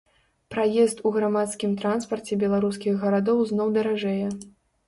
Праезд у грамадскім транспарце беларускіх гарадоў зноў даражэе.